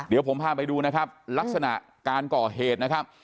เดี๋ยวผมพาไปดูนะครับลักษณะการก่อเหตุนะครับ